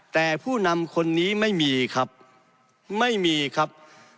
แต่ผู้นำคนนี้ไม่มีครับไม่มีครับ